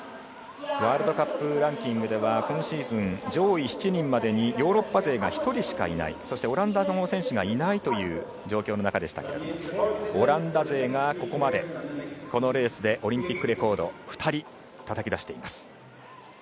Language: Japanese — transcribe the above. ワールドカップランキングでは今シーズン、上位７人までにヨーロッパ勢が１人しかいないそしてオランダの選手がいないという状況でしたがオランダ勢がここまでこのレースでオリンピックレコードを２人たたき出しています。